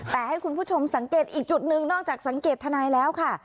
แต่ให้คุณผู้ชมสังเกตอีกจุดหนึ่งนอกจากสังเกตทนายแล้วค่ะ